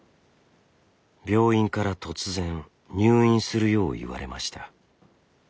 病院から突然入院するよう言われました。